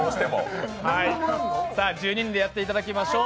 １２人でやってもらいましょう。